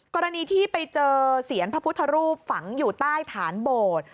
กรณีที่ไปเจอเสียนพระพุทธรูปฝังอยู่ใต้ฐานโบสถ์